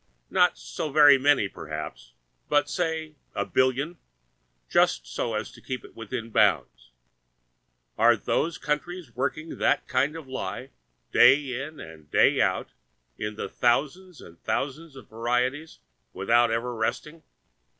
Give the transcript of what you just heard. Not so very many perhaps, but say a billion—just so as to keep within bounds. Are those countries working that kind of lie, day in and day out, in thousands and thousands of varieties, without ever resting?